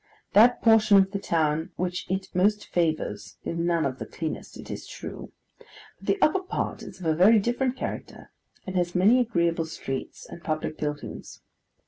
That portion of the town which it most favours is none of the cleanest, it is true; but the upper part is of a very different character, and has many agreeable streets and public buildings.